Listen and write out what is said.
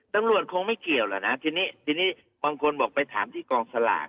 ตำรวจคงไม่เกี่ยวแล้วนะทีนี้ทีนี้บางคนบอกไปถามที่กองสลาก